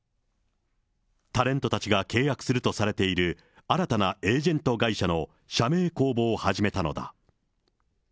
タレントたちが契約するとされている新たなエージェント会社の社名公募を始めたのだ。